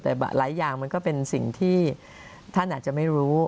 แต่หลายอย่างมันก็เป็นสิ่งที่ท่านอาจจะไม่รู้